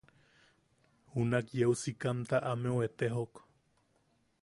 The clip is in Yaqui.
Junak yeu sikamta ameu etejok.